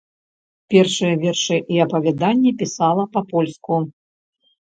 Першыя вершы і апавяданні пісала па-польску.